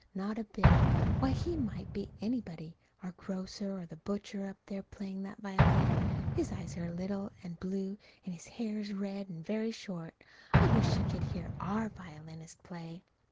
Not a bit. Why, he might be anybody, our grocer, or the butcher, up there playing that violin. His eyes are little and blue, and his hair is red and very short. I wish she could hear our violinist play!